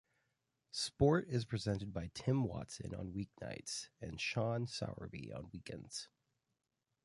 Sport is presented by Tim Watson on weeknights and Sean Sowerby on weekends.